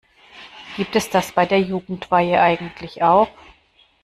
Gibt es das bei der Jugendweihe eigentlich auch?